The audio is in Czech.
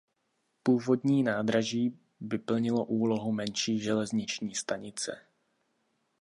Původní nádraží by plnilo úlohu menší železniční stanice.